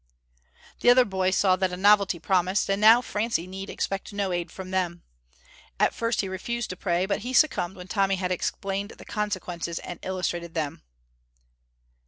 The other boys saw that a novelty promised, and now Francie need expect no aid from them. At first he refused to pray, but he succumbed when Tommy had explained the consequences, and illustrated them.